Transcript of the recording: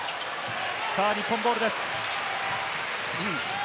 日本ボールです。